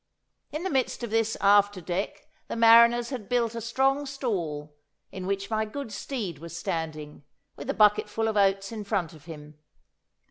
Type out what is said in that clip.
In the midst of this after deck the mariners had built a strong stall, in which my good steed was standing, with a bucket full of oats in front of him.